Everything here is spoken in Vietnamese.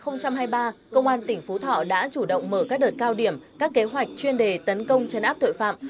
năm hai nghìn hai mươi ba công an tỉnh phú thọ đã chủ động mở các đợt cao điểm các kế hoạch chuyên đề tấn công chấn áp tội phạm